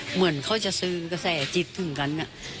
เหมือนเขาจะซึงกระแสจิตถึงกัน